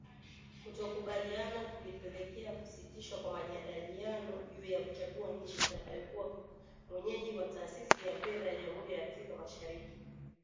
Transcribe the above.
Kutokukubaliana kulipelekea kusitishwa kwa majadiliano juu ya kuchagua nchi itakayokuwa mwenyeji wa Taasisi ya Fedha ya Jamhuri ya Afrika Mashariki.